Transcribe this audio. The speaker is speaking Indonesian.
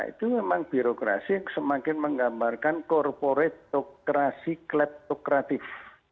itu memang birokrasi yang semakin menggambarkan korporatokrasi kleptokratif